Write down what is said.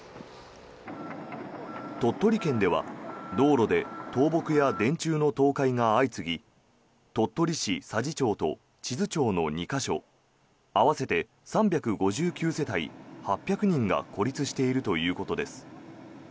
鳥取県では道路で倒木や電柱の倒壊が相次ぎ鳥取市佐治町と智頭町の２か所合わせて３５９世帯８００人が孤立しているということです。